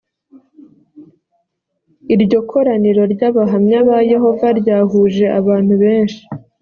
iryo koraniro ry abahamya ba yehova ryahuje abantu benshi